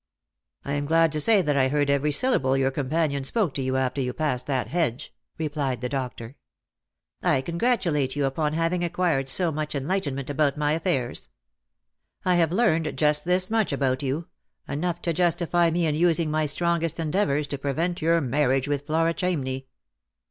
" I am glad to say that I heard every syllable your companion spoke to you after you passed that hedge," replied the doctor. " I congratulate you upon having acquired so much enlighten ment about my affairs." " I have learned just this much about you — enough to justify me in using my strongest endeavours to prevent your marriage with Flora Chamney."